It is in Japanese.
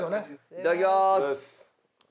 いただきまーす。